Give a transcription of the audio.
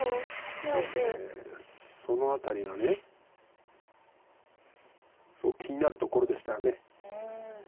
どうもその辺りがすごく気になるところでしたよね。